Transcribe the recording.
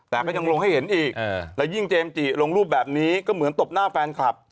แต่ก็ยังลงให้เห็นอีกแล้วยิ่งเจมสจิลงรูปแบบนี้ก็เหมือนตบหน้าแฟนคลับ